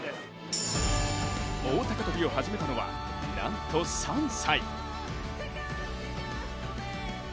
棒高跳を始めたのは、なんと３歳。